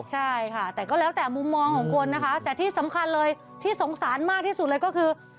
ใช่ค่ะแต่ก็แล้วแต่มุมมองของคนนะคะแต่ที่สำคัญเลยที่สงสารมากที่สุดเลยก็คือ